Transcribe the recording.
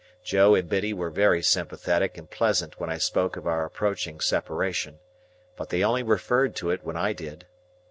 Joe and Biddy were very sympathetic and pleasant when I spoke of our approaching separation; but they only referred to it when I did.